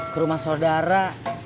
ke rumah saudara